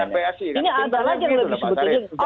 ini ada lagi yang lebih sebetulnya